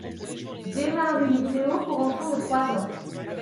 Démarre une vidéo pour enfant de trois ans.